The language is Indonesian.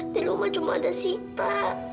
di rumah cuma ada sita